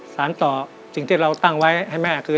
สารต่อสิ่งที่เราตั้งไว้ให้แม่คือ